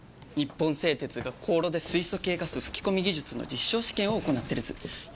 本製鉄が高炉で水素系ガス吹き込み技術の証試験を行っている図４５００